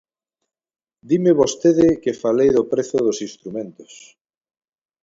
Dime vostede que falei do prezo dos instrumentos.